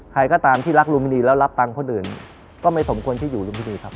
ใครก็ตามที่รักลุมพินีแล้วรับตังค์คนอื่นก็ไม่สมควรที่อยู่ลุมพินีครับ